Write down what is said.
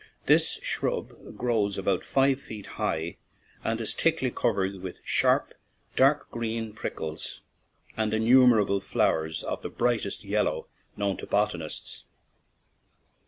This shrub grows about five feet high and is thickly covered with sharp, dark green prickles and innumerable flowers of the brightest yellow known to botanists.